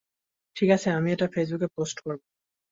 ঠিক আছে আমি এটা ফেসবুকে পোষ্ট করবো।